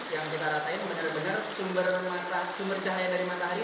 yang kita ratain benar benar sumber cahaya dari matahari